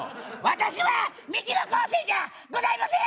私はミキの昴生じゃございません！